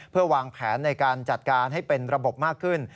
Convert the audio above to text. เพื่อวางแผนในการจัดการให้เป็นระบบมากขึ้น